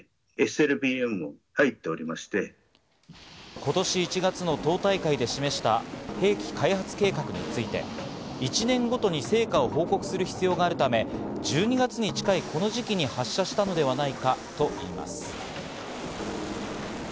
今年１月の党大会で示した兵器開発計画について、１年ごとに成果を報告する必要があるため、１２月に近いこの時期に発射したのではないかといいます。